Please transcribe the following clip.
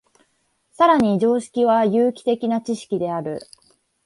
更に常識は有機的な知識である。